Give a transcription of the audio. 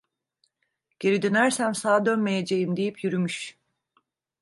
'Geri dönersem sağ dönmeyeceğim!' deyip yürümüş.